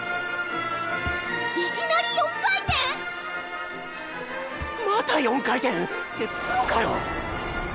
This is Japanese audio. いきなり４回転⁉また４回転！ってプロかよ。